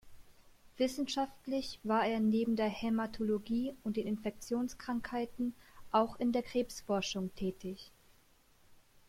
Wissenschaftlich war er neben der Hämatologie und den Infektionskrankheiten auch in der Krebsforschung tätig.